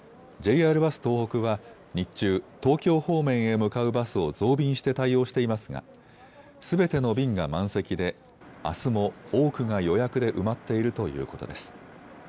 ＪＲバス東北は日中、東京方面へ向かうバスを増便して対応していますがすべての便が満席であすも多くが予約で埋まっているということです。